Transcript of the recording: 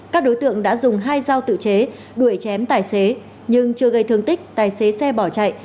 các đối tượng đã dùng hai dao tự chế đuổi chém tài xế nhưng chưa gây thương tích tài xế xe bỏ chạy